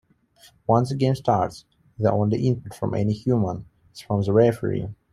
Once the game starts, the only input from any human is from the referee.